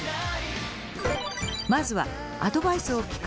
まずはアドバイスを聞く